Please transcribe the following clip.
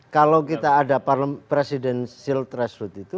kalau kita ada presidensial threshold itu